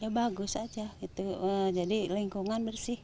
ya bagus aja jadi lingkungan bersih